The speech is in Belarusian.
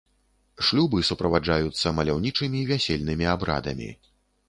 Шлюбы суправаджаюцца маляўнічымі вясельнымі абрадамі.